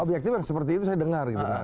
objektif yang seperti itu saya dengar